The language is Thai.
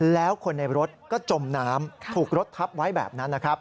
แล้วคนในรถก็จมน้ำถูกรถทับไว้แบบนั้นนะครับ